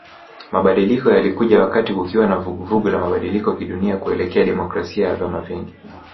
Mabadiliko yalikuja wakati kukiwa na vuguvugu la mabadiliko kidunia kuelekea demokrasia ya vyama vingi